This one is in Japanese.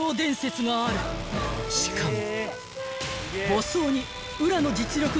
［しかも］